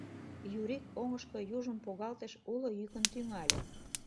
Юрик оҥышко южым погалтыш, уло йӱкын тӱҥале: